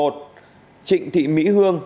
một trịnh thị mỹ hương